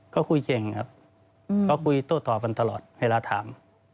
ก็คุยเก่งครับก็คุยโต้ตอบกันตลอดเวลาถาม